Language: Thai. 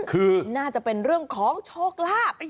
คือน่าจะเป็นเรื่องของโชคลาภ